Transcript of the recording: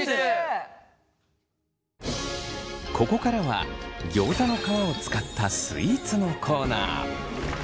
ここからはギョーザの皮を使ったスイーツのコーナー。